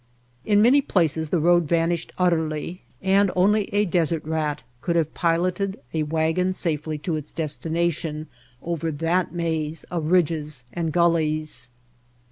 In many places the road vanished utterly, and only a "desert rat" could have piloted a wagon safely to its des tination over that maze of ridges and gullies.